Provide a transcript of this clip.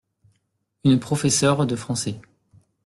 Une professeure de français.